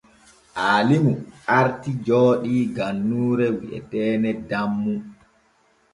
Aalimu arti jooɗii gannuure wi’eteene Dammu.